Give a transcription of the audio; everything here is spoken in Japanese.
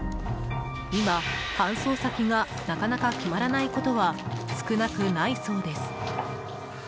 今、搬送先がなかなか決まらないことは少なくないそうです。